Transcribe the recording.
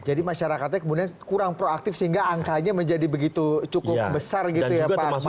jadi masyarakatnya kemudian kurang proaktif sehingga angkanya menjadi begitu cukup besar gitu ya pak kemal